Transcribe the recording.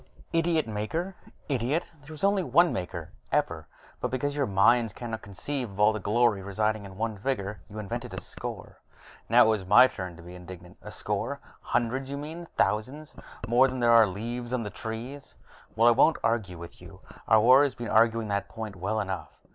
"Idiot Maker? Idiot! There was only one Maker, ever, but because your minds cannot conceive of all that glory residing in one figure, you invented a score." Now it was my turn to be indignant. "A score? Hundreds, you mean; thousands more than there are leaves on the trees." "Well, I won't argue with you. Our war has been arguing that point well enough."